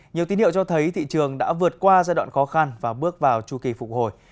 nhiều tin hiệu cho thấy thị trường đã vượt qua giai đoạn khó khăn và bước vào chu kỳ phục hồi